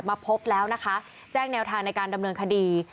มาพบแล้วนะคะแจ้งแนวทางในการดำเนินคดี